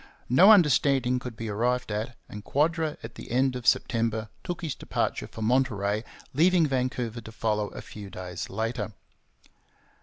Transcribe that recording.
No understanding could be arrived at, and Quadra at the end of September took his departure for Monterey, leaving Vancouver to follow a few days later.